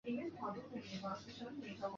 海伦斯堡东岸。